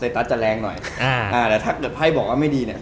ตัสจะแรงหน่อยอ่าอ่าแต่ถ้าเกิดไพ่บอกว่าไม่ดีเนี่ย